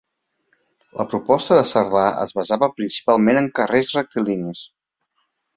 La proposta de Cerdà es basava principalment en carrers rectilinis.